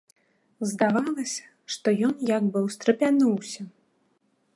Здавалася, што ён як бы ўстрапянуўся.